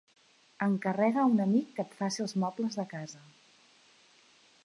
Encarrega a un amic que et faci els mobles de casa.